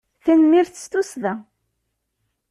Tanemmirt s tussda!